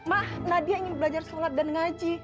mak nadia ingin belajar sholat dan ngaji